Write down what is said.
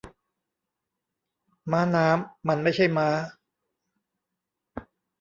ม้าน้ำ มันไม่ใช่ม้า